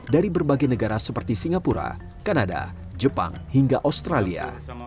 dari berbagai negara seperti singapura kanada jepang hingga australia